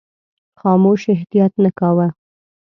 خاموش احتیاط نه کاوه.